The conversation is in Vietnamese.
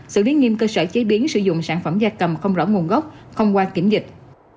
xử lý nghiêm cơ sở chế biến sử dụng sản phẩm da cầm không rõ nguồn gốc không qua kiểm dịch